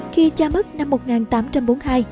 khi cha mất năm một nghìn tám trăm bốn mươi hai